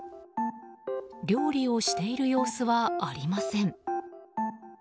料理をしている様子はありません。